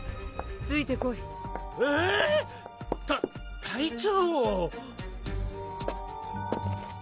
ついてこいえぇ！た隊長？